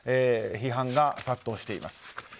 批判が殺到しています。